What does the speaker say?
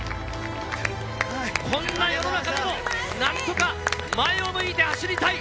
こんな世の中でも、なんとか前を向いて走りたい。